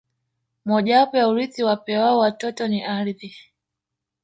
Mojawapo ya urithi wapewao watoto ni ardhi